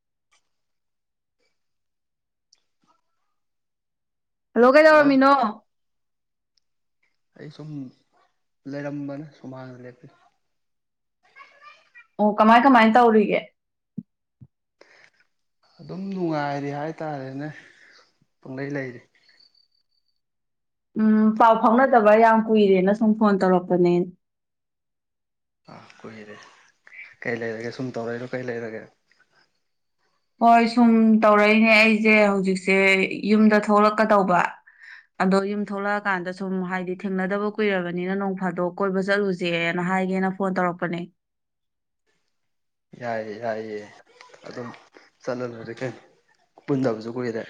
[inaudible] Hello ꯀꯩꯗꯧꯔꯝꯃꯤꯅꯣ꯫ ꯑꯩ ꯁꯨꯝ ꯂꯩꯔꯝꯕꯅꯦ ꯁꯨꯝꯍꯥꯡꯗ ꯂꯦꯞꯄꯤ [inaudible] ꯑꯣ ꯀꯃꯥꯏ ꯀꯃꯥꯏ ꯇꯧꯔꯤꯒꯦ꯫ ꯑꯗꯨꯝ ꯅꯨꯡꯉꯥꯏꯔꯤ ꯍꯥꯏꯇꯥꯔꯦꯅꯦ ꯄꯨꯡꯂꯩ ꯂꯩꯔꯤ꯫ ꯎꯝ ꯄꯥꯎ ꯐꯥꯎꯅꯗꯕ ꯌꯥꯝ ꯀꯨꯏꯔꯦꯅ ꯁꯨꯝ ꯐꯣꯟ ꯇꯧꯔꯛꯄꯅꯦ꯫ ꯑꯥ ꯀꯨꯏꯔꯦ ꯀꯩ ꯂꯩꯔꯒꯦ ꯁꯨꯝ ꯇꯧꯔꯛꯏꯔꯣ ꯀꯩ ꯂꯩꯔꯒꯦ꯫ ꯍꯣꯏ ꯁꯨꯝ ꯇꯧꯔꯛꯏꯅꯦ ꯑꯩꯁꯦ ꯍꯧꯖꯤꯛꯁꯦ ꯌꯨꯝꯗ ꯊꯣꯛꯂꯛꯀꯗꯧꯕ ꯑꯗꯣ ꯌꯨꯝ ꯊꯣꯛꯂꯛꯑ ꯀꯥꯟꯗ ꯁꯨꯝ ꯍꯥꯏꯗꯤ ꯊꯦꯡꯅꯗꯕ ꯀꯨꯏꯔꯕꯅꯤꯅ ꯅꯣꯡ ꯐꯥꯗꯣꯛ ꯀꯣꯏꯕ ꯆꯠꯂꯨꯁꯦꯅ ꯍꯥꯏꯒꯦꯅ ꯐꯣꯟ ꯇꯧꯔꯛꯄꯅꯦ꯫ ꯌꯥꯏꯌꯦ ꯌꯥꯏꯌꯦ ꯑꯗꯨꯝ ꯆꯠꯂꯂꯣꯏꯔꯦ ꯀꯩꯅ ꯄꯨꯟꯗꯕꯁꯨ ꯀꯨꯏꯔꯦ꯫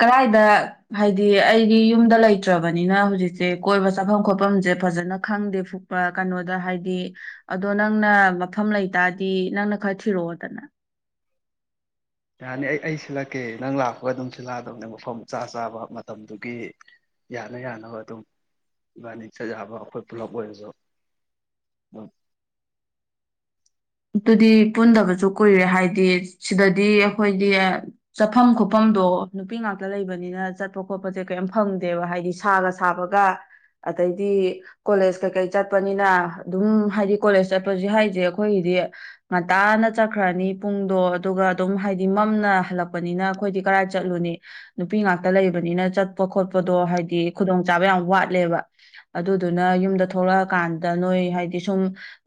ꯀꯔꯥꯏꯗ ꯍꯥꯏꯗꯤ ꯑꯩꯗꯤ ꯌꯨꯝꯗ ꯂꯩꯇ꯭ꯔꯕꯅꯤꯅ ꯍꯧꯖꯤꯛꯁꯦ ꯀꯣꯏꯕ ꯆꯥꯐꯝ ꯈꯣꯠꯐꯝꯁꯦ ꯐꯖꯅ ꯈꯪꯗꯦ ꯐꯨꯛꯄ ꯀꯩꯅꯣꯗ ꯍꯥꯏꯗꯤ ꯑꯗꯣ ꯅꯪꯅ ꯃꯐꯝ ꯂꯩꯇꯥꯔꯗꯤ ꯅꯪꯅ ꯈꯔ ꯊꯤꯔꯛꯑꯣꯗꯅ꯫ ꯌꯥꯅꯤ ꯑꯩ ꯑꯩ ꯁꯤꯜꯂꯛꯀꯦ ꯅꯪꯂꯥꯛ ꯍꯣꯏ ꯑꯗꯨꯝ ꯁꯤꯜꯂꯥꯗꯕꯅꯦ ꯃꯐꯝ ꯆꯥ ꯆꯥꯕ ꯃꯇꯝꯗꯨꯒꯤ ꯌꯥꯅ ꯌꯥꯅꯕ ꯑꯗꯨꯝ ꯏꯕꯥꯥꯅꯤ ꯆꯠ ꯌꯥꯕ ꯑꯩꯈꯣꯏ ꯄꯨꯂꯞ ꯑꯣꯏꯔꯁꯨ ꯑꯗꯨꯝ ꯑꯗꯨꯨꯗꯤ ꯄꯨꯟꯗꯕꯁꯨ ꯀꯨꯏꯔꯦ ꯍꯥꯏꯗꯤ ꯁꯤꯗꯗꯤ ꯑꯩꯈꯣꯏꯗꯤ ꯆꯠꯐꯝ ꯈꯣꯠꯐꯝꯗꯣ ꯅꯨꯄꯤ ꯉꯥꯛꯇ ꯂꯩꯕꯅꯤꯅ ꯆꯠꯄ ꯈꯣꯠꯄꯁꯦ ꯀꯩꯝ ꯐꯪꯗꯦꯕ ꯍꯥꯏꯗꯤ ꯁꯥꯒ ꯁꯥꯕꯒ ꯑꯗꯩꯗꯤ ꯀꯣꯂꯦꯖ ꯀꯩꯀꯩ ꯆꯠꯄꯅꯤꯅ ꯑꯗꯨꯝ ꯍꯥꯏꯗꯤ ꯀꯣꯂꯦꯖ ꯆꯠꯄꯁꯨ ꯍꯥꯏꯁꯦ ꯑꯩꯈꯣꯏ ꯗꯤ ꯉꯟꯇꯥꯅ ꯆꯠꯈ꯭ꯔꯅꯤ ꯄꯨꯡꯗꯣ ꯑꯗꯨꯒ ꯑꯗꯨꯝ ꯍꯥꯏꯗꯤ ꯃꯝꯅ ꯍꯜꯂꯛꯄꯅꯤꯅ ꯑꯩꯈꯣꯏꯗꯤ ꯀꯗꯥꯥꯏ ꯆꯠꯂꯨꯅꯤ ꯅꯨꯄꯤ ꯉꯥꯛꯇ ꯂꯩꯕꯅꯤꯅ ꯆꯠꯄ ꯈꯣꯠꯄꯗꯣ ꯍꯥꯏꯗꯤ ꯈꯨꯗꯣꯡ ꯆꯥꯕ ꯌꯥꯝ ꯋꯥꯠꯂꯦꯕ ꯑꯗꯨꯗꯨꯅ ꯌꯨꯝꯗ ꯊꯣꯛꯂꯛꯑ ꯀꯥꯟꯗ ꯅꯣꯏ ꯍꯥꯏꯗꯤ ꯁꯨꯝ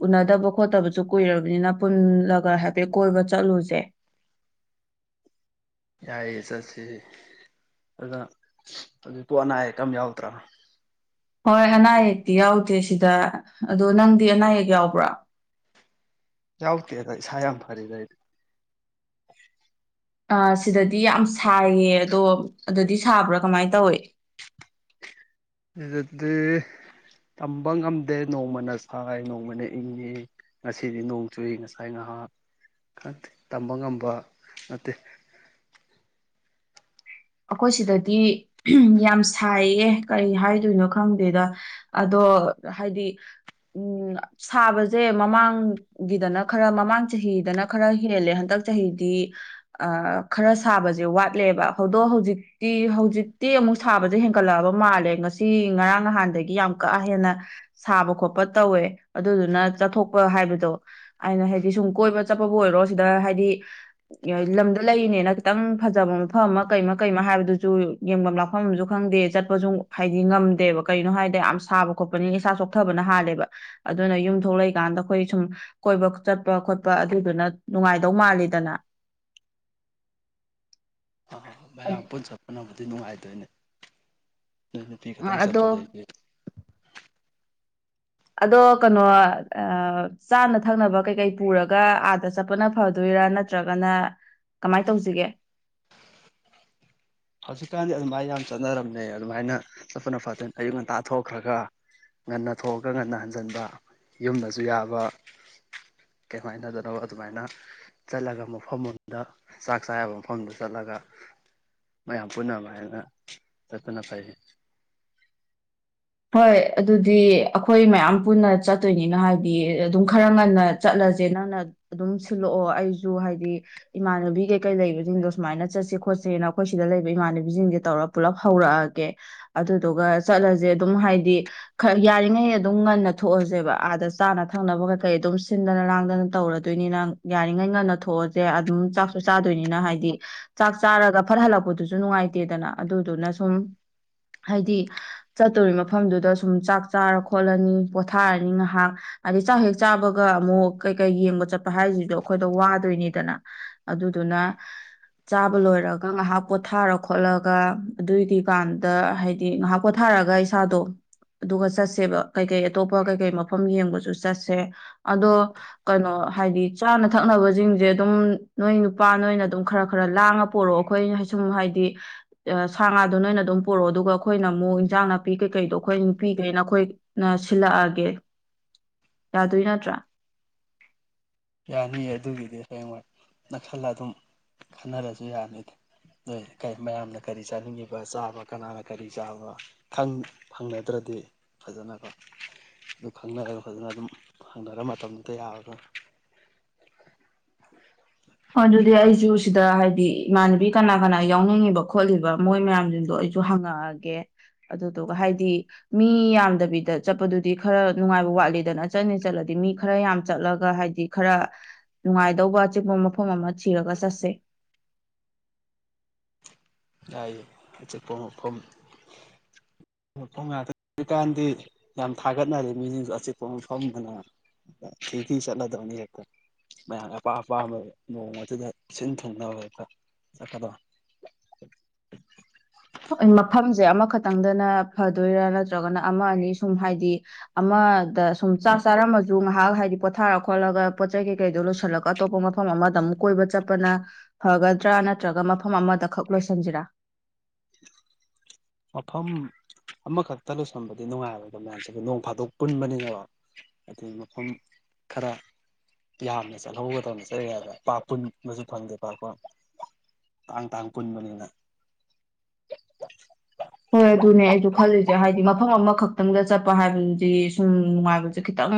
ꯎꯅꯗꯕ ꯈꯣꯠꯇꯕ ꯁꯨ ꯀꯨꯏꯔꯕꯅꯤꯅ ꯄꯨꯜꯂꯒ ꯍꯥꯏꯐꯦꯠ ꯀꯣꯏꯕ ꯆꯠꯂꯨꯁꯦ꯫ ꯌꯥꯏꯌꯦ ꯆꯠꯁꯤ ꯑꯗꯨꯗ ꯑꯗ ꯑꯗꯤ ꯄꯣ ꯑꯅꯥ ꯑꯌꯦꯛ ꯀꯝ ꯌꯥꯎꯗ꯭ꯔ꯫ ꯍꯣꯏ ꯑꯅꯥ ꯑꯛꯇꯤ ꯌꯥꯎꯗꯦ ꯁꯤꯗ ꯑꯗꯣ ꯅꯪꯗꯤ ꯑꯅꯥ ꯑꯌꯦꯛ ꯌꯥꯎꯕ꯭ꯔ꯫ ꯌꯥꯎꯗꯦꯗ ꯇꯁ ꯌꯥꯝ ꯐꯔꯤꯗ ꯑꯩ꯫ ꯑ ꯁꯤꯗꯗꯤ ꯌꯥꯝ ꯁꯥꯏꯌꯦ ꯑꯗꯣ ꯑꯗꯨꯗꯤ ꯁꯥꯕ꯭ꯔ ꯀꯃꯥꯏ ꯇꯧꯏꯦ꯫ ꯏꯖꯗꯤ ꯇꯝꯕ ꯉꯝꯗꯦ ꯅꯣꯡꯃꯅ ꯁꯥꯏ ꯅꯣꯡꯃꯅ ꯏꯪꯉꯤ ꯉꯁꯤꯗꯤ ꯅꯣꯡ ꯆꯨꯏ ꯉꯁꯥꯏ ꯉꯥꯏꯍꯥꯛ ꯈꯪꯗꯦ ꯇꯝꯕ ꯉꯝꯕ ꯅꯠꯇꯦ꯫ ꯑꯈꯣꯏ ꯁꯤꯗꯗꯤ ꯎꯝꯍꯨꯝ ꯌꯥꯝ ꯁꯥꯏꯌꯦ ꯀꯩ ꯍꯥꯏꯗꯣꯏꯅꯣ ꯈꯪꯗꯦꯗ ꯑꯗꯣ ꯍꯥꯏꯗꯤ ꯎ ꯁꯥꯕꯁꯦ ꯃꯃꯥꯡꯒꯤꯗꯅ ꯈꯔ ꯃꯃꯥꯡ ꯆꯍꯤꯗꯅ ꯈꯔ ꯍꯦꯜꯂꯦ ꯍꯟꯗꯛ ꯆꯍꯤꯗꯤ ꯑ ꯈꯔ ꯁꯥꯕꯁꯦ ꯋꯥꯠꯂꯦꯕ꯫ ꯍꯧꯗꯣ ꯍꯧꯖꯤꯛꯇꯤ ꯍꯧꯖꯤꯛꯇꯤ ꯑꯃꯨꯛ ꯁꯥꯕꯁꯦ ꯍꯦꯟꯒꯠꯂꯛꯑꯕ ꯃꯥꯜꯂꯦ ꯉꯁꯤ ꯉꯔꯥꯡ ꯅꯍꯥꯟꯗꯒꯤ ꯌꯥꯝ ꯀꯥ ꯍꯦꯟꯅ ꯁꯥꯕ ꯈꯣꯠꯄ ꯇꯧꯋꯦ ꯑꯗꯨꯗꯨꯅ ꯆꯠꯊꯣꯛꯄ ꯍꯥꯏꯕꯗꯣ ꯑꯩꯅ ꯍꯥꯏꯗꯤ ꯁꯨꯝ ꯀꯣꯏꯕ ꯆꯠꯄꯕꯨ ꯑꯣꯏꯔꯣ ꯁꯤꯗ ꯍꯥꯏꯗꯤ ꯑ ꯂꯝꯗ ꯂꯩꯔꯤꯅꯦꯅ ꯈꯤꯇꯪ ꯐꯖꯕ ꯃ ꯐꯝ ꯑꯃ ꯀꯩꯃ ꯀꯩꯃ ꯍꯥꯏꯕꯗꯨꯁꯨ ꯌꯦꯡꯕꯝ ꯂꯥꯛꯐꯝ ꯑꯁꯨ ꯈꯪꯗꯦ ꯆꯠꯄꯁꯨ ꯍꯥꯏꯗꯤ ꯉꯝꯗꯦꯕ ꯀꯩꯒꯤꯅꯣ ꯍꯥꯏꯕꯗ ꯌꯥꯝ ꯁꯥꯕ ꯈꯣꯠꯄꯅꯤ ꯏꯁꯥ ꯆꯣꯛꯊꯕꯅ ꯍꯥꯜꯂꯦꯕ ꯑꯗꯨꯅ ꯌꯨꯝꯊꯂꯩꯀꯥꯟꯗ ꯑꯈꯣꯏ ꯁꯨꯝ ꯀꯣꯏꯕ ꯆꯠꯄ ꯈꯣꯠꯄ ꯑꯗꯨꯗꯨꯅ ꯅꯨꯡꯉꯥꯏꯗꯧ ꯃꯥꯜꯂꯤꯗꯅ ꯃꯌꯝ ꯄꯨꯟ ꯆꯠꯄꯅꯕꯨ ꯑꯗꯨ ꯅꯨꯡꯉꯥꯏꯗꯣꯏꯅꯦ ꯅꯣꯏ ꯅꯨꯄꯤ ꯈꯇꯪ ꯑꯗꯣ ꯆꯠꯄꯗꯩꯗꯤ ꯑꯗꯣ ꯀꯩꯅꯣ ꯆꯥꯅ ꯊꯛꯅꯕ ꯀꯩꯀꯩ ꯄꯨꯔꯒ ꯑꯥꯗ ꯆꯠꯄꯅ ꯐꯗꯣꯏꯔꯥ ꯅꯠꯇ꯭ꯔꯒꯅ ꯀꯃꯥꯏꯅ ꯇꯧꯖꯤꯒꯦ ꯍꯧꯖꯤꯛꯀꯥꯟꯗꯤ ꯑꯗꯨꯃꯥꯏꯅ ꯌꯥꯝ ꯆꯠꯅꯔꯝꯅꯦ ꯑꯗꯨꯃꯥꯏꯅ ꯆꯠꯄꯅ ꯐꯗꯣꯏ ꯑꯌꯨꯛ ꯉꯟꯇꯥ ꯊꯣꯛꯈ꯭ꯔꯒ ꯉꯟꯅ ꯊꯣꯛꯑꯒ ꯉꯟꯅ ꯍꯟꯖꯟꯕ ꯌꯨꯝꯗꯁꯨ ꯌꯥꯕ ꯀꯩꯏꯝ ꯍꯥꯏꯅꯗꯅꯕ ꯑꯗꯨꯃꯥꯏꯅ ꯆꯠꯂꯒ ꯃꯐꯝ ꯑꯃꯗ ꯆꯥꯛ ꯆꯥꯕ ꯃꯐꯝꯗ ꯆꯠꯂꯒ ꯃꯌꯥꯝ ꯄꯨꯟꯅ [inaudible] ꯆꯠꯇꯅ ꯐꯩ ꯍꯣꯏ ꯑꯗꯨꯗꯤ ꯑꯩꯈꯣꯏ ꯃꯌꯥꯝ ꯄꯨꯟꯅ ꯆꯠꯇꯣꯏꯅꯤꯅ ꯍꯥꯏꯗꯤ ꯑꯗꯨꯝ ꯈꯔ ꯉꯟꯅ ꯆꯠꯂꯖꯦ ꯅꯪꯅ ꯑꯗꯨꯝ ꯁꯤꯜꯂꯛꯑꯣ ꯑꯩꯖꯨ ꯍꯥꯏꯗꯤ ꯏꯃꯥꯟꯅꯕꯤ ꯀꯩꯀꯩ ꯂꯩꯕꯖꯤꯡꯗꯣ ꯁꯨꯃꯥꯏꯅ ꯆꯠꯁꯦ ꯈꯣꯠꯁꯦꯅ ꯑꯩꯈꯣꯏ ꯁꯤꯗ ꯂꯩꯕ ꯏꯃꯥꯟꯅꯕꯤꯖꯤꯡꯖꯦ ꯇꯧꯔ ꯄꯨꯜꯂꯞ ꯍꯧꯔꯛꯑꯒꯦ ꯑꯗꯨꯗꯨꯒ ꯆꯠꯂꯁꯦ ꯑꯗꯨꯝ ꯍꯥꯏꯗꯤ ꯈ ꯌꯥꯔꯤꯉꯩ ꯑꯗꯨꯝ ꯉꯟꯅ ꯊꯣꯛꯑꯁꯦꯕ ꯑꯥꯗ ꯆꯥꯅ ꯊꯛꯅꯕ ꯀꯩꯀꯩ ꯑꯗꯨꯝ ꯁꯤꯟꯗꯅ ꯂꯥꯡꯗꯅ ꯇꯧꯔꯗꯣꯏꯅꯤꯅ ꯌꯥꯔꯤꯉꯩ ꯉꯟꯅ ꯊꯣꯛꯑꯁꯦ ꯑꯗꯨꯝ ꯆꯥꯛꯁꯨ ꯆꯥꯗꯣꯏꯅꯤꯅ ꯍꯥꯏꯗꯤ ꯆꯥꯛ ꯆꯥꯔꯒ ꯐꯠꯍꯜꯂꯛꯄꯗꯨꯁꯨ ꯅꯨꯡꯉꯥꯏꯇꯦꯗꯅ ꯑꯗꯨꯗꯨꯅ ꯁꯨꯝ ꯍꯥꯏꯗꯤ ꯆꯠꯇꯣꯔꯤ ꯃꯐꯝꯗꯨꯗ ꯁꯨꯝ ꯆꯥꯛ ꯆꯥꯔ ꯈꯣꯠꯂꯅꯤ ꯄꯣꯊꯥꯔꯅꯤ ꯉꯥꯏꯍꯥꯛ ꯑꯗꯩꯩ ꯆꯥꯛ ꯍꯦꯛ ꯆꯥꯕꯒ ꯑꯃꯨꯛ ꯀꯩꯀꯩ ꯌꯦꯡꯕ ꯆꯠꯄ ꯍꯥꯏꯖꯤꯖꯨ ꯑꯩꯈꯣꯏꯗ ꯋꯥꯗꯣꯏꯅꯤꯗꯅ ꯑꯗꯨꯗꯨꯅ ꯆꯥꯕ ꯂꯣꯏꯔꯒ ꯉꯥꯏꯍꯥꯛ ꯄꯣꯊꯥꯔ ꯈꯣꯠꯂꯒ ꯑꯗꯨꯏꯒꯤꯀꯥꯟꯗ ꯍꯥꯏꯗꯤ ꯉꯥꯏꯍꯥꯛ ꯄꯣꯥ ꯊꯥꯔꯒ ꯏꯁꯥꯗꯣ ꯑꯗꯨꯒ ꯆꯠꯁꯦꯕ ꯀꯩꯀꯩ ꯑꯇꯣꯞꯄ ꯀꯩꯀꯩ ꯃꯐꯝ ꯌꯦꯡꯕꯁꯨ ꯆꯠꯁꯦ ꯑꯗꯣ ꯀꯩꯅꯣ ꯍꯥꯏꯗꯤ ꯆꯥꯅ ꯊꯛꯅꯕꯖꯤꯡꯖꯦ ꯑꯗꯨꯝ ꯅꯣꯏ ꯅꯨꯄꯥ ꯅꯣꯏꯅ ꯑꯗꯨꯝ ꯈꯔ ꯈꯔ ꯂꯥꯡꯉ ꯄꯣꯔꯛꯑꯣ ꯑꯩꯈꯣꯏ ꯁꯨꯝ ꯍꯥꯏꯗꯤ ꯁꯥ ꯉꯥꯗꯨꯣ ꯅꯣꯏꯅ ꯑꯗꯨꯝ ꯄꯣꯔꯛꯑꯣ ꯑꯗꯨꯒ ꯑꯩꯈꯣꯏꯅ ꯑꯃꯨꯛ ꯏꯟꯁꯥꯡ ꯅꯥꯄꯤ ꯀꯩꯀꯩꯗꯣ ꯑꯩꯈꯣꯏ ꯅꯨꯄꯤꯒꯩꯅ ꯑꯩꯈꯣꯏꯅ ꯁꯤꯜꯂꯛꯑꯒꯦ ꯌꯥꯗꯣꯏ ꯅꯠꯇ꯭ꯔꯥ ꯌꯥꯅꯤꯌꯦ ꯑꯗꯨꯒꯤꯗꯤ ꯍꯌꯦꯡꯋꯥ ꯅꯥꯁꯜꯂ ꯑꯗꯨꯝ ꯈꯟꯅꯔꯖꯨ ꯌꯥꯅꯤ ꯅꯣꯏ ꯃꯌꯥꯝꯅ ꯀꯔꯤ ꯆꯥꯅꯤꯡꯉꯤꯕ ꯆꯥꯕ ꯀꯅꯥꯅ ꯀꯔꯤ ꯆꯥꯕ ꯈꯪ ꯍꯪꯅꯗ꯭ꯔꯗꯤ ꯐꯖꯅꯀꯣ ꯑꯗꯨ ꯈꯪꯅꯔꯒ ꯐꯖꯅ ꯑꯗꯨꯝ ꯍꯪꯅꯔ ꯃꯇꯝꯗꯨꯗ ꯌꯥꯅꯕ ꯑꯗꯨꯗꯤ ꯑꯩꯁꯨ ꯁꯤꯗ ꯍꯥꯏꯗꯤ ꯏꯃꯥꯟꯅꯕꯤ ꯀꯅꯥ ꯀꯅꯥ ꯌꯥꯎꯅꯤꯡꯉꯤꯕ ꯈꯣꯠꯂꯤꯕ ꯃꯣꯏ ꯃꯌꯥꯝꯖꯤꯡꯗꯣ ꯑꯩꯁꯨ ꯍꯪꯉꯛꯑꯒꯦ ꯑꯗꯨꯗꯨꯒ ꯍꯥꯏꯗꯤ ꯃꯤ ꯌꯥꯝꯗꯕꯤꯗ ꯆꯠꯄꯗꯨꯗꯤ ꯈꯔ ꯅꯨꯡꯉꯥꯏꯕ ꯋꯥꯠꯂꯤꯗꯅ ꯆꯠꯅꯤ ꯆꯠꯂꯗꯤ ꯃꯤ ꯈꯔ ꯌꯥꯝ ꯆꯠꯂꯒ ꯍꯥꯏꯗꯤ ꯈꯔ ꯅꯨꯡꯉꯥꯏꯗꯧꯕ ꯑꯆꯤꯛꯄ ꯃ ꯐꯝ ꯑꯃ ꯊꯤꯔ ꯆꯠꯁꯦ [inaudible] ꯑꯆꯤꯛꯄ ꯃꯐꯝ ꯃꯐꯝ ꯉꯥꯛꯇ [unintelligible] ꯖꯤꯀꯥꯟꯗꯤ ꯌꯥꯝ ꯊꯥꯒꯠꯅꯔꯦ ꯃꯤꯁꯤꯡꯖꯨ ꯑꯆꯤꯛꯄ ꯃꯐꯝꯑꯅ ꯊꯤ ꯊꯤ ꯆꯠꯂꯗꯧꯅꯤ ꯍꯦꯛꯇ ꯃꯌꯥꯝꯒꯤ ꯑꯄꯥꯝ ꯑꯄꯥꯝꯕ ꯅꯣꯡꯃꯗꯨꯗ ꯁꯤꯟ ꯊꯨꯡꯅꯕ ꯍꯦꯛꯇ ꯆꯠꯀꯗꯕ [inaudible] ꯃꯐꯝꯁꯦ ꯑꯃꯈꯛꯇꯪꯗꯅ ꯐꯗꯣꯏꯔꯥ ꯅꯠꯇ꯭ꯔꯒꯅ ꯑꯃ ꯑꯅꯤ ꯁꯨꯝ ꯍꯥꯏꯗꯤ ꯑꯃꯗ ꯁꯨꯝ ꯆꯥꯛ ꯆꯥꯔꯝꯃꯁꯨ ꯉꯥꯏꯍꯥꯛ ꯍꯥꯏꯗꯤ ꯄꯣꯊꯥꯔ ꯈꯣꯠꯂꯒ ꯄꯣꯠꯆꯩ ꯀꯩꯀꯩꯗꯣ ꯂꯣꯏꯁꯤꯜꯂꯒ ꯑꯇꯣꯞꯄ ꯃꯐꯝ ꯑꯃꯗ ꯑꯃꯨꯛ ꯀꯣꯏꯕ ꯆꯠꯄꯅ ꯐꯒꯗ꯭ꯔꯥ ꯅꯠꯇ꯭ꯔꯒ ꯃꯐꯝ ꯑꯃꯗ ꯈꯛ ꯂꯣꯏꯁꯤꯟꯖꯤꯔꯥ ꯃꯐꯝ ꯑꯃꯈꯛꯇ ꯂꯣꯏꯁꯟꯕꯗꯤ ꯅꯨꯡꯉꯥꯏꯔꯣꯏꯗ ꯃꯌꯥꯝꯁꯦ ꯅꯣꯡ ꯐꯥꯗꯣꯛ ꯄꯨꯟꯕꯅꯤꯅ ꯍꯥꯏꯗꯤ ꯃꯐꯝ ꯈꯔ ꯌꯥꯝꯅ ꯆꯠꯍꯧꯒꯗꯧꯅꯤ ꯆꯠꯂꯤ [inaudible] ꯄꯥ ꯄꯨꯟꯕꯁꯨ ꯐꯪꯗꯦ ꯄꯥꯛ-ꯄꯥꯛ ꯇꯥꯡ ꯇꯥꯡ ꯄꯨꯟꯕꯅꯤꯅ ꯍꯣꯏ ꯑꯗꯨꯅꯦ ꯑꯩꯖꯨ ꯈꯜꯂꯤ ꯍꯥꯏꯗꯤ ꯃꯐꯝ ꯑꯃꯈꯛꯇꯪꯗ ꯆꯠꯄ ꯍꯥꯏꯕꯗꯨꯗꯤ ꯁꯨꯝ ꯅꯨꯡꯉꯥꯏꯕꯁꯦ ꯈꯤꯇꯪ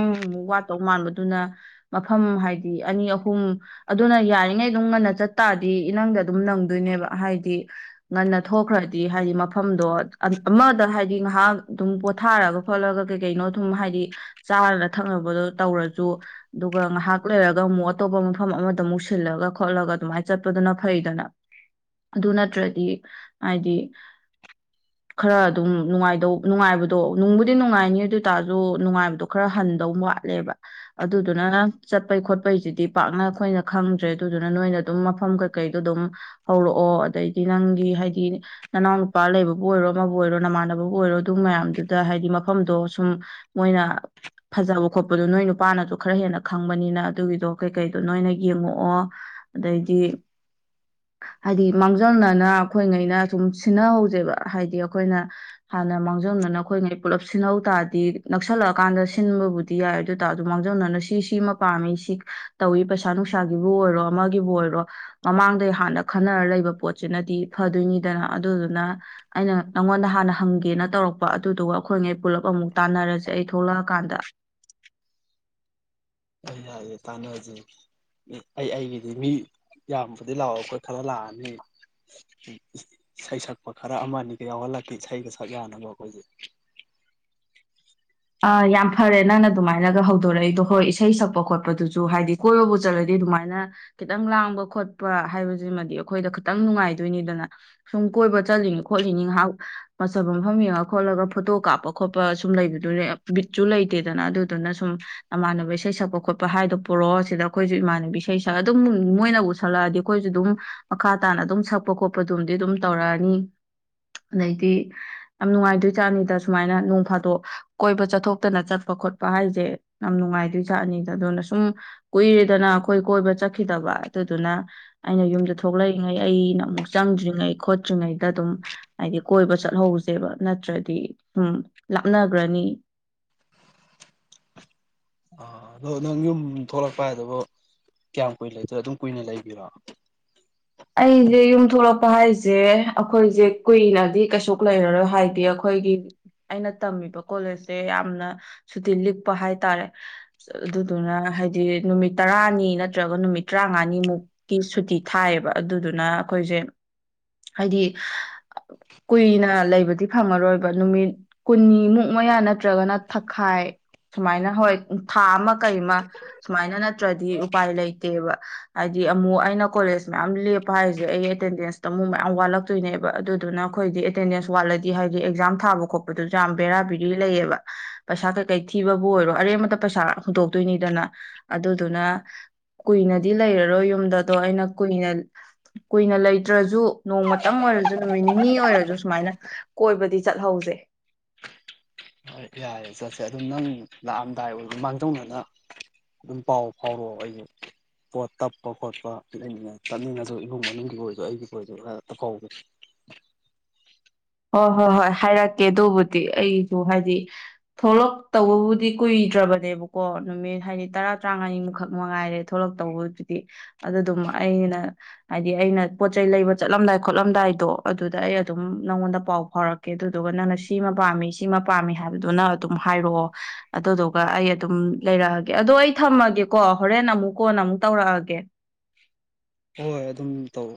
ꯋꯥꯠꯇꯧ ꯃꯥꯟꯕ ꯑꯗꯨꯅ ꯃꯐꯝ ꯍꯥꯏꯗꯤ ꯑꯅꯤ ꯑꯍꯨꯝ ꯑꯗꯨꯅ ꯌꯥꯔꯤꯉꯩ ꯑꯗꯨꯝ ꯉꯟꯅ ꯆꯠꯇꯥꯥꯔꯗꯤ ꯏ ꯅꯪꯗ ꯑꯗꯨꯝ ꯅꯪꯗꯣꯏꯅꯦꯕ ꯍꯥꯏꯗꯤ ꯉꯟꯅ ꯊꯣꯛꯈ꯭ꯔꯗꯤ ꯍꯥꯏꯗꯤ ꯃꯐꯝ ꯃꯐꯝꯗꯣ ꯑꯃꯗ ꯍꯥꯏꯗꯤ ꯉꯥꯏꯍꯥꯛ ꯑꯗꯨꯝ ꯄꯣꯊꯥꯔꯒ ꯈꯣꯠꯂꯒ ꯀꯩ ꯀꯩꯅꯣ ꯑꯗꯨꯝ ꯍꯥꯏꯗꯤ ꯆꯥꯔꯅ ꯊꯛꯅꯕꯗꯣ ꯇꯧꯔꯖꯨ ꯑꯗꯨꯒ ꯉꯥꯏꯍꯥꯛ ꯂꯩꯔꯒ ꯑꯃꯨꯛ ꯑꯇꯣꯞꯄ ꯃꯐꯝ ꯑꯃꯗ ꯑꯃꯨꯛ ꯁꯤꯜꯂꯒ ꯈꯣꯠꯂꯒ ꯑꯗꯨꯃꯥꯏꯅ ꯆꯠꯄꯗꯨꯅ ꯐꯩꯗꯅ ꯑꯗꯨ ꯅꯠꯇ꯭ꯔꯗꯤ ꯍꯥꯏꯗꯤ ꯈꯔ ꯑꯗꯨꯝ ꯅꯨꯡꯉꯥꯏꯗꯧ ꯅꯨꯡꯉꯥꯏꯕꯗꯣ ꯅꯨꯡꯕꯨꯗꯤ ꯅꯨꯡꯉꯥꯏꯅꯤ ꯑꯗꯨ ꯑꯣꯏꯇꯥꯔꯁꯨ ꯅꯨꯡꯉꯥꯏꯕꯗꯣ ꯈꯔ ꯍꯟꯗꯧ ꯋꯥꯠꯂꯦꯕ ꯑꯗꯨꯗꯨꯅ ꯆꯠꯄꯩ ꯈꯣꯠꯄꯩꯁꯤꯗꯤ ꯄꯥꯛꯅ ꯑꯩꯈꯣꯏꯅ ꯈꯪꯗ꯭ꯔꯦ ꯑꯗꯨꯗꯨꯅ ꯅꯣꯏꯅ ꯑꯗꯨꯝ ꯃꯐꯝ ꯀꯩꯀꯩꯗꯣ ꯑꯗꯨꯝ ꯍꯧꯔꯛꯑꯣ ꯑꯗꯩꯗꯤ ꯅꯪꯒꯤ ꯍꯥꯏꯗꯤ ꯅꯅꯥꯎ ꯅꯨꯄꯥ ꯂꯩꯕꯕꯨ ꯑꯣꯏꯔꯣ ꯑꯃꯕꯨ ꯑꯣꯏꯔꯣ ꯅꯃꯥꯟꯅꯕꯕꯨ ꯑꯣꯏꯔꯣ ꯑꯗꯨ ꯃꯌꯥꯝꯗꯨꯗ ꯍꯥꯏꯗꯤ ꯃꯐꯝꯗꯣ ꯁꯨꯝ ꯃꯣꯏꯅ ꯐꯖꯕ ꯈꯣꯠꯄꯗꯣ ꯅꯣꯏ ꯅꯨꯄꯥꯅꯁꯨ ꯈꯔ ꯍꯦꯟꯅ ꯈꯪꯕꯅꯤꯅ ꯑꯗꯨꯒꯤꯗꯣ ꯀꯩꯀꯩꯗꯣ ꯅꯣꯏꯅ ꯌꯦꯡꯉꯛꯑꯣ ꯑꯗꯩꯗꯤ ꯍꯥꯏꯗꯤ ꯃꯥꯡꯖꯧꯅꯅ ꯑꯩꯈꯣꯏꯉꯩꯅ ꯁꯨꯝ ꯁꯤꯟꯅ [unintelligible] ꯍꯥꯏꯗꯤ ꯑꯩꯈꯣꯏꯅ ꯍꯥꯟꯅ ꯃꯥꯡꯖꯧꯅꯅ ꯑꯩꯈꯣꯏꯉꯩ ꯄꯨꯜꯂꯞ ꯁꯤꯟꯍꯧ ꯇꯥꯔꯗꯤ ꯅꯛꯁꯜꯂꯛꯀꯥꯟꯗ ꯁꯤꯟꯕꯕꯨꯗꯤ ꯌꯥꯏ ꯑꯗꯨ ꯑꯣꯏꯇꯥꯔ ꯑꯗꯨ ꯃꯥꯡꯖꯧꯅꯅ ꯁꯤ ꯁꯤꯃ ꯄꯥꯝꯃꯤ ꯁꯤ ꯇꯧꯏ ꯄꯩꯁꯥ ꯅꯨꯡꯁꯥꯒꯤꯕꯨ ꯑꯣꯏꯔꯣ ꯑꯃꯒꯤꯕꯨ ꯑꯣꯏꯔꯣ ꯃꯃꯥꯡꯗꯩ ꯍꯥꯟꯅ ꯈꯟꯅꯔ ꯂꯩꯕ ꯄꯣꯠꯁꯤꯅꯗꯤ ꯐꯗꯣꯏꯅꯤꯗꯅ ꯑꯗꯨꯗꯨꯅ ꯑꯩꯅ ꯅꯪꯉꯣꯟꯗ ꯍꯥꯟꯅ ꯍꯪꯒꯦꯅ ꯇꯧꯔꯛꯄ ꯑꯗꯨꯗꯨꯒ ꯑꯩꯈꯣꯏꯉꯩ ꯄꯨꯜꯂꯞ ꯑꯃꯨꯛ ꯇꯥꯟꯅꯔꯁꯦ ꯑꯩ ꯊꯣꯛꯂꯛꯑꯀꯥꯟꯗ ꯍꯣꯌ ꯌꯥꯏꯌꯦ ꯇꯥꯟꯅꯖꯦ ꯑꯩ ꯑꯩꯒꯤꯗꯤ ꯃꯤ ꯌꯥꯝꯕꯨꯗꯤ ꯂꯥꯛꯑꯣꯏ ꯑꯩꯈꯣꯏ ꯈꯔ ꯂꯥꯛꯑꯅꯤ ꯏꯁꯩ ꯁꯛꯄ ꯈꯔ ꯑꯃꯅꯤ ꯑꯅꯤꯒ ꯌꯥꯎꯍꯜꯂꯛꯀꯦ ꯏꯁꯩꯒ ꯁꯛ ꯌꯥꯅꯕ ꯑꯩꯈꯣꯏꯖꯦ ꯑ ꯌꯥꯝ ꯐꯔꯦ ꯅꯪꯅ ꯑꯗꯨꯃꯥꯏꯅꯒ ꯍꯧꯗꯣꯔꯛꯏꯗꯣ ꯍꯣꯏ ꯏꯁꯩ ꯁꯛꯄ ꯈꯣꯠꯄꯗꯨꯖꯨ ꯍꯥꯏꯗꯤ ꯀꯣꯏꯕꯕꯨ ꯆꯠꯂꯗꯤ ꯑꯗꯨꯃꯥꯏꯅ ꯈꯤꯇꯪ ꯂꯥꯡꯕ ꯈꯣꯠꯄ ꯍꯥꯏꯕꯁꯤꯃꯗꯤ ꯑꯩꯈꯣꯏꯗ ꯈꯤꯇꯪ ꯅꯨꯡꯉꯥꯏꯗꯣꯏꯅꯤꯗꯅ ꯁꯨꯝ ꯀꯣꯏꯕ ꯆꯠꯂꯤꯅꯤ ꯈꯣꯠꯂꯤꯅꯤ ꯉꯥꯏꯍꯥꯛ ꯃꯖꯕ ꯃꯐꯝ ꯌꯦꯡꯉ ꯈꯣꯠꯂꯒ ꯐꯣꯇꯣ ꯀꯥꯞꯄ ꯈꯣꯠꯄ ꯁꯨꯝ ꯂꯩꯕ [inaudible] ꯕꯤꯠꯁꯨ ꯂꯩꯇꯦꯗꯅ ꯑꯗꯨꯗꯨꯅ ꯁꯨꯝ ꯅꯃꯥꯟꯅꯕ ꯏꯁꯩ ꯁꯛꯄ ꯈꯣꯠꯄ ꯍꯥꯏꯗꯣ ꯄꯨꯔꯑꯣ ꯁꯤꯗ ꯑꯩꯈꯣꯏꯁꯨ ꯏꯃꯥꯟꯅꯕꯤ ꯏꯁꯩ ꯁꯛꯑ ꯑꯗꯨꯝ ꯃꯣꯏꯅ ꯁꯛꯂꯛꯑꯗꯤ ꯑꯩꯈꯣꯏꯁꯨ ꯑꯗꯨꯝ ꯃꯈꯥ ꯇꯥꯅ ꯑꯗꯨꯝ ꯁꯛꯄ ꯈꯣꯠꯄꯗꯨꯝꯗꯤ ꯑꯗꯨꯝ ꯇꯧꯔꯛꯑꯅꯤ ꯑꯗꯩꯗꯤ ꯌꯥꯝ ꯅꯨꯡꯉꯥꯏꯗꯣꯏ ꯖꯥꯅꯤꯗ ꯁꯨꯃꯥꯏꯅ ꯅꯣꯡ ꯐꯥꯗꯣꯛ ꯀꯣꯏꯕ ꯆꯠꯊꯣꯛꯇꯅ ꯆꯠꯄ ꯈꯣꯠꯄ ꯍꯥꯏꯖꯦ ꯌꯥꯝ ꯅꯨꯡꯉꯥꯏꯗꯣꯏ ꯖꯥꯠ ꯑꯅꯤꯗ ꯑꯗꯨꯅ ꯁꯨꯝ ꯀꯨꯏꯔꯦꯗꯅ ꯑꯩꯈꯣꯏ ꯀꯣꯏꯕ ꯆꯠꯈꯤꯗꯕ ꯑꯗꯨꯗꯨꯅ ꯑꯩꯅ ꯌꯨꯝꯗ ꯊꯣꯛꯂꯛꯏꯉꯩ ꯑꯩꯅ ꯑꯃꯨꯛ ꯆꯪꯗ꯭ꯔꯤꯉꯩ ꯈꯣꯠꯇ꯭ꯔꯤꯉꯩꯗ ꯑꯗꯨꯝ ꯍꯥꯏꯗꯤ ꯀꯣꯏꯕ ꯆꯠꯍꯧꯁꯦꯕ ꯅꯠꯇ꯭ꯔꯗꯤ ꯁꯨꯝ ꯂꯥꯞꯅ ꯔꯅꯤ ꯑ ꯑꯗꯣ ꯅꯪ ꯌꯨꯝ ꯊꯣꯛꯂꯛꯄ ꯍꯥꯏꯗꯨꯕꯨ ꯀꯌꯥꯝ ꯀꯨꯏꯅ ꯂꯩꯗꯣ ꯑꯗꯨꯝ ꯀꯨꯏꯅ ꯂꯩꯗꯣꯏ ꯑꯩꯖꯦ ꯌꯨꯝ ꯊꯣꯛꯂꯛꯄ ꯍꯥꯏꯖꯦ ꯑꯩꯈꯣꯏꯖꯦ ꯀꯨꯏꯅꯗꯤ ꯀꯩꯁꯨ ꯂꯩꯔꯔꯣꯏ ꯍꯥꯏꯗꯤ ꯑꯩꯈꯣꯏꯒꯤ ꯑꯩꯅ ꯇꯝꯃꯤꯕ ꯀꯣꯂꯦꯖꯁꯦ ꯌꯥꯝꯅ ꯁꯨꯇꯤ ꯂꯤꯛꯄ ꯍꯥꯏ ꯇꯔꯦ ꯑꯗꯨꯗꯨꯅ ꯍꯥꯏꯗꯤ ꯅꯨꯃꯤꯠ ꯇꯔꯥꯅꯤ ꯅꯠꯇ꯭ꯔꯒ ꯅꯨꯃꯤꯠ ꯇꯔꯥꯃꯉꯥꯅꯤꯃꯨꯛꯀꯤ ꯁꯨꯇꯤ ꯊꯥꯏꯌꯦꯕ ꯑꯗꯨꯗꯨꯅ ꯑꯩꯈꯣꯏꯁꯦ ꯍꯥꯏꯗꯤ ꯀꯨꯏꯅ ꯂꯩꯕꯗꯤ ꯐꯪꯉꯔꯣꯏꯕ ꯅꯨꯃꯤꯠ ꯀꯨꯟꯅꯤꯃꯨꯛ ꯃꯌꯥ ꯅꯠꯇ꯭ꯔꯒꯅ ꯊꯥꯈꯥꯏ ꯁꯨꯃꯥꯏꯅ ꯍꯣꯏ ꯊꯥ ꯑꯃ ꯀꯩ ꯑꯃ ꯁꯨꯃꯥꯏꯅ ꯅꯠꯇ꯭ꯔꯗꯤ ꯎꯄꯥꯏ ꯂꯩꯇꯦꯕ ꯍꯥꯏꯗꯤ ꯑꯃꯨꯛ ꯑꯩꯅ ꯀꯣꯂꯦꯖ ꯌꯥꯝ ꯂꯦꯞꯄ ꯍꯥꯏꯁꯦ ꯑꯩ ꯑꯦꯇꯦꯟꯗꯦꯟꯁꯇ ꯑꯃꯨꯛ ꯃꯌꯥꯝ ꯋꯥꯠꯂꯛꯇꯣꯏꯅꯦꯕ ꯑꯗꯨꯗꯨꯅ ꯑꯩꯈꯣꯏꯗꯤ ꯑꯦꯇꯦꯟꯗꯦꯟꯁ ꯋꯥꯠꯂꯗꯤ ꯍꯥꯏꯗꯤ ꯑꯦꯛꯖꯥꯝ ꯊꯥꯕ ꯈꯣꯠꯄꯗꯨꯁꯨ ꯌꯥꯝ ꯕꯦꯔꯥ ꯕꯦꯔꯤ ꯂꯩꯌꯦꯕ ꯄꯩꯁꯥ ꯀꯩꯀꯩ ꯊꯤꯕꯕꯨ ꯑꯣꯏꯔꯣ ꯑꯔꯦꯝꯕꯇ ꯄꯩꯁꯥ ꯍꯨꯟꯗꯣꯛꯇꯣꯏꯅꯤꯗꯅ ꯑꯗꯨꯗꯨꯅ ꯀꯨꯏꯅꯗꯤ ꯂꯩꯔꯔꯣꯏ ꯌꯨꯝꯗ ꯗꯣ ꯑꯩꯅ ꯀꯨꯏꯅ ꯀꯨꯏꯅ ꯂꯩꯇ꯭ꯔꯖꯨ ꯅꯣꯡꯃꯇꯪ ꯑꯣꯏꯔꯖꯨ ꯅꯨꯃꯤꯠ ꯅꯤꯅꯤ ꯑꯣꯏꯔꯖꯨ ꯁꯨꯃꯥꯏꯅ ꯀꯣꯏꯕꯗꯤ ꯆꯠꯍꯧꯖꯦ ꯌꯥꯏꯔꯦ ꯆꯠꯁꯦ ꯑꯗꯨꯝ ꯅꯪ ꯂꯥꯛꯑꯝꯗꯥꯏ ꯑꯣꯏꯗꯤ ꯃꯥꯡꯖꯧꯅꯅ ꯑꯗꯨꯝ ꯄꯥꯎ ꯐꯥꯎꯔꯛꯑꯣ ꯑꯩꯖꯦ ꯄꯣꯠ ꯇꯞꯄ ꯈꯣꯠꯄ ꯂꯩꯅꯤꯡꯉ ꯇꯞꯅꯤꯡꯉꯖꯨ ꯏꯃꯨꯡ ꯃꯅꯨꯡꯒꯤ [inaudible] ꯑꯣꯏꯖꯨ ꯑꯩꯒꯤꯕꯨ ꯑꯣꯏꯖꯨ ꯈ ꯇꯞꯐꯧꯒꯦ ꯍꯣꯏ ꯍꯣꯏ ꯍꯣꯏ ꯍꯥꯏꯔꯛꯀꯦ ꯑꯗꯨꯕꯨꯗꯤ ꯑꯩꯁꯨ ꯍꯥꯏꯗꯤ ꯊꯣꯂꯛꯇꯧꯕꯕꯨꯗꯤ ꯀꯨꯏꯗ꯭ꯔꯕꯅꯦꯕꯀꯣ ꯅꯨꯃꯤꯠ ꯍꯥꯏꯗꯤ ꯇꯔꯥ ꯇꯔꯥꯉꯥꯅꯤꯃꯨꯈꯛ ꯃꯉꯥꯏꯔꯦ ꯊꯣꯛꯂꯛꯇꯧꯕꯗꯨꯗꯤ ꯑꯗꯨꯗꯨꯝ ꯑꯩꯅ ꯍꯥꯏꯗꯤ ꯑꯩꯅ ꯄꯣꯠ ꯆꯩꯩ ꯂꯩꯕ ꯆꯠꯂꯝꯗꯥꯏ ꯈꯣꯠꯂꯝꯗꯥꯏꯗꯣ ꯑꯗꯨꯗ ꯑꯩ ꯑꯗꯨꯝ ꯅꯪꯉꯣꯟꯗ ꯄꯥꯎ ꯐꯥꯎꯔꯛꯀꯦ ꯑꯗꯨꯗꯨꯒ ꯅꯪꯅ ꯁꯤꯃ ꯄꯥꯝꯃꯤ ꯁꯤꯃ ꯄꯥꯝꯃꯤ ꯍꯥꯏꯕꯗꯨꯅ ꯑꯗꯨꯝ ꯍꯥꯏꯔꯛꯑꯣ ꯑꯗꯨꯗꯨꯒ ꯑꯩ ꯑꯗꯨꯝ ꯂꯩꯔꯛꯑꯒꯦ ꯑꯗꯣ ꯑꯩ ꯊꯝꯃꯒꯦꯀꯣ ꯍꯣꯔꯦꯟ ꯑꯃꯨꯛ ꯀꯣꯟ ꯑꯃꯨꯛ ꯇꯧꯔꯛꯑꯒꯦ ꯍꯣꯏ ꯑꯗꯨꯝ ꯇꯧ